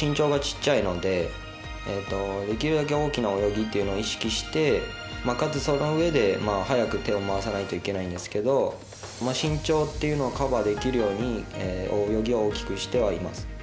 身長がちっちゃいのでできるだけ大きな泳ぎというのを意識してかつ、そのうえで早く手を回さないといけないんですけど身長というのをカバーできるように泳ぎは大きくしてはいます。